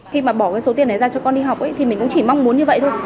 khi mà bỏ cái số tiền đấy ra cho con đi học thì mình cũng chỉ mong muốn như vậy thôi